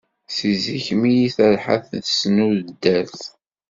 Si zik mi yi-terḥa tesnudert.